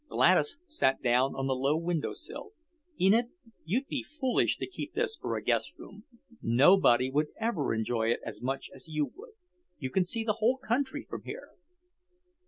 Gladys sat down on the low window sill. "Enid, you'd be foolish to keep this for a guest room. Nobody would ever enjoy it as much as you would. You can see the whole country from here."